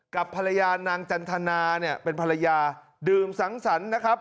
กับภรรยานางจันทนาเนี่ยเป็นภรรยาดื่มสังสรรค์นะครับ